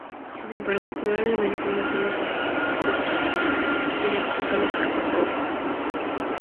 Sin embargo, probablemente no son los ancestros directos de los arcosaurios.